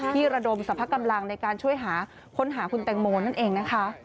ระดมสรรพกำลังในการช่วยหาค้นหาคุณแตงโมนั่นเองนะคะ